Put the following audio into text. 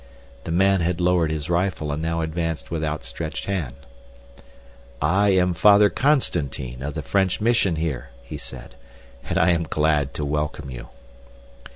The man had lowered his rifle and now advanced with outstretched hand. "I am Father Constantine of the French Mission here," he said, "and I am glad to welcome you."